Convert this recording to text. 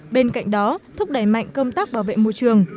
bên cạnh đó thúc đẩy mạnh công tác bảo vệ môi trường